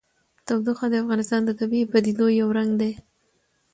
تودوخه د افغانستان د طبیعي پدیدو یو رنګ دی.